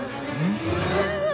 うわ！